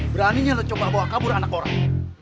beraninya lo coba bawa kabur anak orang